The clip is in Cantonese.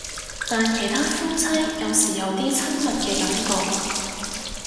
但其他夫妻有時有啲親密嘅感覺